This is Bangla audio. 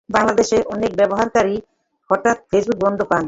বাংলাদেশের অনেক ব্যবহারকারী হঠাৎ ফেসবুক বন্ধ পান।